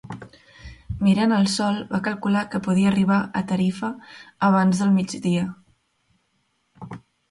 Mirant el sol, va calcular que podia arribar a Tarifa abans del migdia.